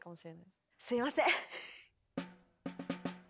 すいません。